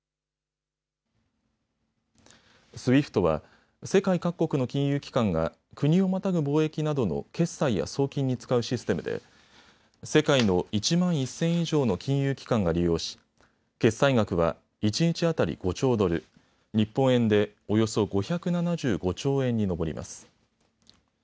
ＳＷＩＦＴは世界各国の金融機関が国をまたぐ貿易などの決済や送金に使うシステムで世界の１万１０００以上の金融機関が利用し決済額は一日当たり５兆ドル、日本円でおよそ５７５兆円に上ります。